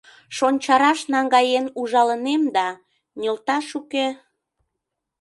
Шончараш наҥгаен ужалынем да, нӧлташ уке...